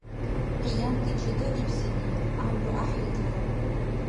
Къиянти чедаибсини гӀямру гӀяхӀил дала.